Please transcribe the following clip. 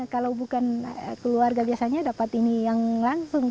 kalau bukan keluarga biasanya dapat ini yang langsung